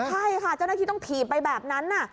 ใช่ค่ะเจ้าหน้าที่ต้องถีบไปแบบนั้น